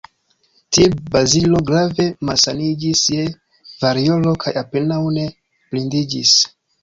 Tie Bazilo grave malsaniĝis je variolo kaj apenaŭ ne blindiĝis.